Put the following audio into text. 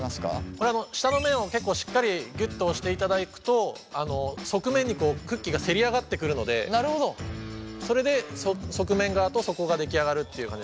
これは下の面を結構しっかりぎゅっと押していただくと側面にクッキーがせり上がってくるのでそれで側面側と底が出来上がるっていう感じです。